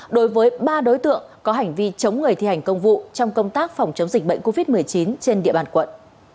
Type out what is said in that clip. đối với ba đối tượng có hành vi chống người thi hành công vụ trong công tác phòng chống dịch bệnh covid một mươi chín trên địa bàn quận